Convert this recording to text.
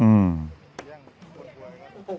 อืม